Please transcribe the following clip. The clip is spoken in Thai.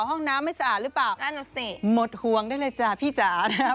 ห้องน้ำไม่สะอาดหรือเปล่าหมดห่วงได้เลยจ้าพี่จ๋านะครับ